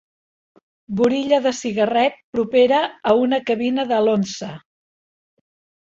Burilla de cigarret propera a una cabina de l'Once.